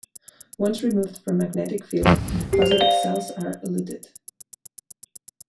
Once removed from magnetic field positive cells are eluted.